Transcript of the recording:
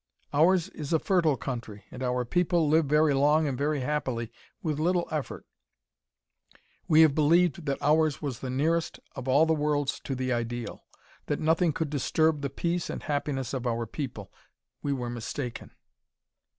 "Ours is a fertile country, and our people live very long and very happily with little effort. We have believed that ours was the nearest of all the worlds to the ideal; that nothing could disturb the peace and happiness of our people. We were mistaken.